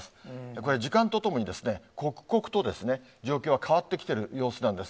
これ、時間とともに刻々と状況は変わってきている様子なんです。